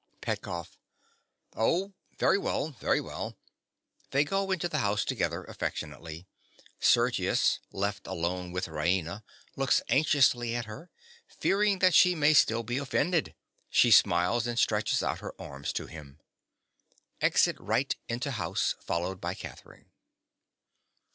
PETKOFF. Oh, very well, very well. (_They go into the house together affectionately. Sergius, left alone with Raina, looks anxiously at her, fearing that she may be still offended. She smiles, and stretches out her arms to him._) (_Exit R. into house, followed by Catherine.